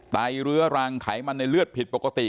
ไรเรื้อรังไขมันในเลือดผิดปกติ